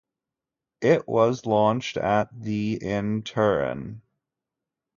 It was launched at the in Turin.